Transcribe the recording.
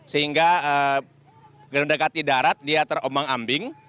sehingga mendekati darat dia terombang ambing